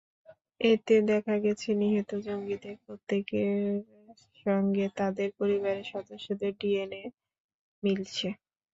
এতে দেখা গেছে, নিহত জঙ্গিদের প্রত্যেকের সঙ্গে তাঁদের পরিবারের সদস্যদের ডিএনএ মিলেছে।